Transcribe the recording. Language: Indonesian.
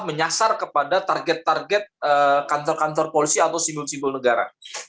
menyasar kepada target target kantor kantor polisi atau simbol simbol negara